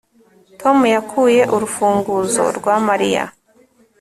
Tom yakuye urufunguzo rwa Mariya